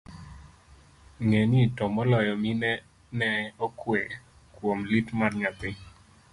ng'enygi, to moloyo mine ne okwe kuom lit mar nyathi